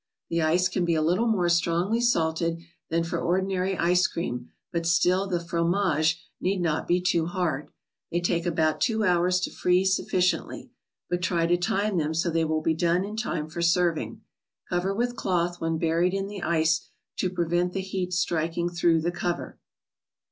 The ice can be a little more strongly salted than for ordinary ice cream, but still the frontage need not be too hard. They take about two hours to freeze sufficiently ; but try to time them so they will be done in time for serving. Cover with cloth when buried in the ice, to prevent the heat striking through the cover.